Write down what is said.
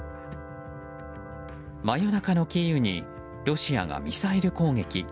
真夜中のキーウにロシアがミサイル攻撃。